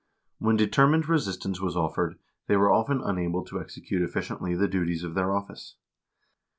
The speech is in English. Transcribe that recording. When determined resistance was offered, they were often unable to execute efficiently the duties of their office.